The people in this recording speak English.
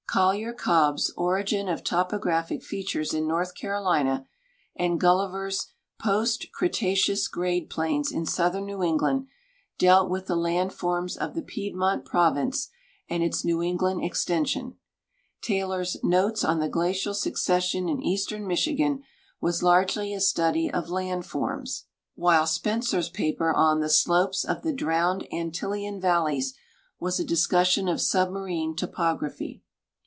Collier Cobb's " Origin of Topographic Features in North Carolina," and Gulliver's "Post Cre taceous Grade Plains in Southern New England '' dealt witli the land foiins of the Piedmont ju'ovince and its New England extension ; Taylor's "Notes on the Glacial Succession in Eastern Michigan" was largely a study of land forms, while Spencer's j>aper on " The .Sloi)es of the Drowned Antillean Valleys" was a discussion of submarine toj)Ogra|)liy.